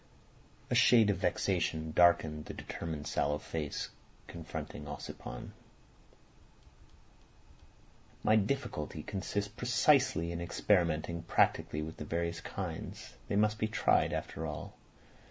A shade of vexation darkened the determined sallow face confronting Ossipon. "My difficulty consists precisely in experimenting practically with the various kinds. They must be tried after all.